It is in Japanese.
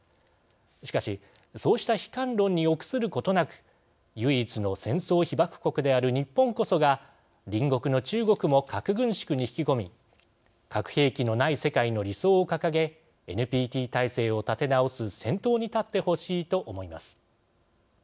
しかしそうした悲観論に臆することなく唯一の戦争被爆国である日本こそが隣国の中国も核軍縮に引き込み核兵器のない世界の理想を掲げＮＰＴ体制を立て直す先頭に立ってほしいと思います。